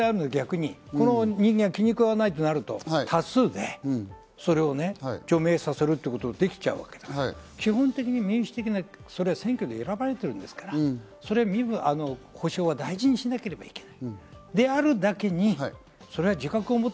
この人間が気に食わないってなると多数で、それをね、除名させるということができちゃうわけだから、基本的に民主的な選挙で選ばれてるんですから、身分の保証は大事にしなければいけない。